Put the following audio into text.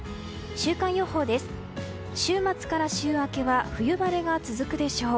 週末から週明けは冬晴れが続くでしょう。